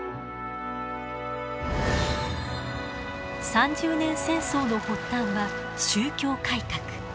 三十年戦争の発端は宗教改革。